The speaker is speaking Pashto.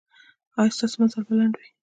ایا ستاسو مزل به لنډ وي؟